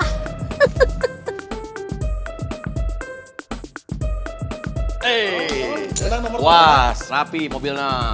hei puas rapi mobilnya